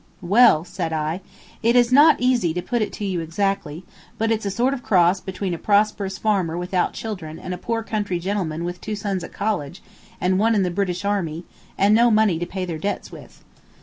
"Well," said I, "it is not easy to put it to you exactly, but it's a sort of a cross between a prosperous farmer without children and a poor country gentleman with two sons at college and one in the British army, and no money to pay their debts with."